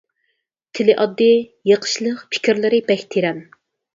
تىلى ئاددىي، يېقىشلىق، پىكىرلىرى بەك تىرەن.